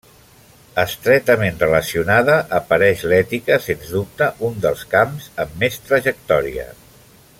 Estretament relacionada apareix l'ètica, sens dubte un dels camps amb més trajectòria.